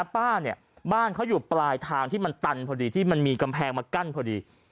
ป้าเนี่ยบ้านเขาอยู่ปลายทางที่มันตันพอดีที่มันมีกำแพงมากั้นพอดี